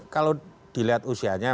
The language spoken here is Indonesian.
kalau dilihat usianya